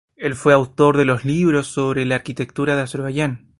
Él fue autor de los libros sobre la arquitectura de Azerbaiyán.